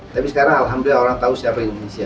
tapi sekarang alhamdulillah orang tahu siapa di indonesia